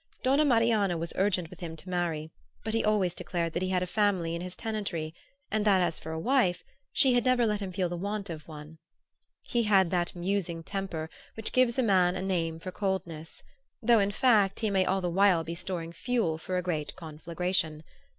Donna Marianna was urgent with him to marry, but he always declared that he had a family in his tenantry, and that, as for a wife, she had never let him feel the want of one. He had that musing temper which gives a man a name for coldness; though in fact he may all the while be storing fuel for a great conflagration.